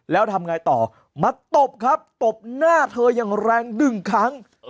แล้วทำไงต่อมาตบครับตบหน้าเธออย่างแรงหนึ่งครั้ง